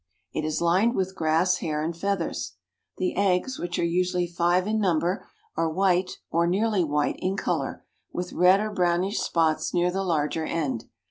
It is lined with grass, hair and feathers. The eggs, which are usually five in number, are white, or nearly white, in color, with red or brownish spots near the larger end.